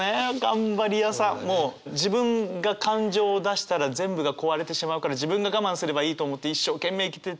もう自分が感情を出したら全部が壊れてしまうから自分が我慢すればいいと思って一生懸命生きてて。